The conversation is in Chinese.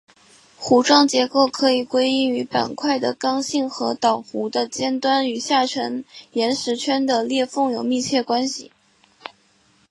弧状结构可以归因于板块的刚性和岛弧的尖端与下沉岩石圈的裂缝有密切关系。